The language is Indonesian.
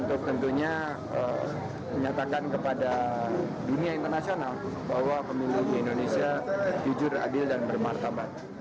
untuk tentunya menyatakan kepada dunia internasional bahwa pemilu di indonesia jujur adil dan bermartabat